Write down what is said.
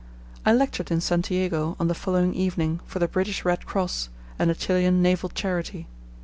I lectured in Santiago on the following evening for the British Red Cross and a Chilian naval charity.